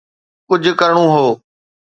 ڪجهه ڪرڻو هو.